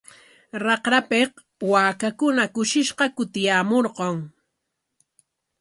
Raqrapik waakakuna kushishqa kutiyaamurqan.